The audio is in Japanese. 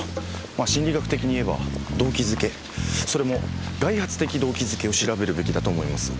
まあ心理学的にいえば動機づけそれも外発的動機づけを調べるべきだと思います。